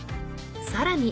さらに